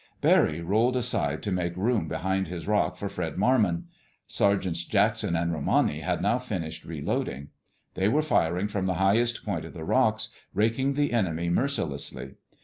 Barry rolled aside to make room behind his rock for Fred Marmon. Sergeants Jackson and Romani had now finished reloading. They were firing from the highest point of the rocks, raking the enemy mercilessly.